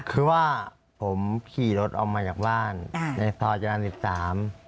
คือว่าผมขี่รถออกมาจากบ้านในทร๑๓